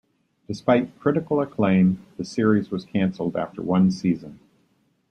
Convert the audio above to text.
Despite critical acclaim, the series was cancelled after one season.